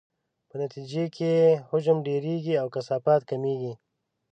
په نتیجې کې یې حجم ډیریږي او کثافت کمیږي.